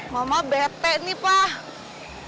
mamah bete nih pak